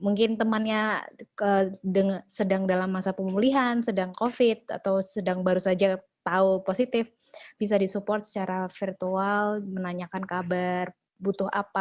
mungkin temannya sedang dalam masa pemulihan sedang covid atau sedang baru saja tahu positif bisa disupport secara virtual menanyakan kabar butuh apa